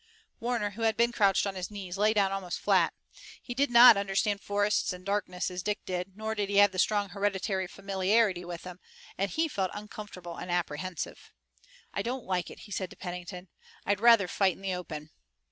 Warner, who had been crouched on his knees, lay down almost flat. He did not understand forests and darkness as Dick did, nor did he have the strong hereditary familiarity with them, and he felt uncomfortable and apprehensive. "I don't like it," he said to Pennington. "I'd rather fight in the open."